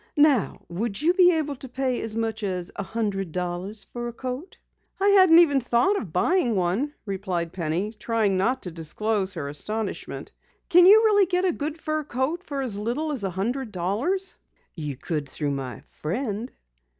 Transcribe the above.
"Now would you be able to pay as much as a hundred dollars for a coat?" "I hadn't even thought of buying one," replied Penny, trying not to disclose her astonishment. "Can you really get a good fur coat for as little as a hundred dollars?" "You could through my friend."